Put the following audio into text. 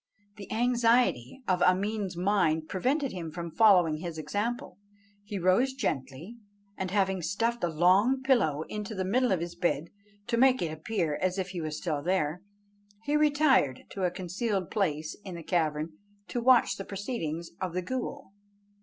The anxiety of Ameen's mind prevented him from following his example; he rose gently, and having stuffed a long pillow into the middle of his bed, to make it appear as if he was still there, he retired to a concealed place in the cavern to watch the proceedings of the ghool.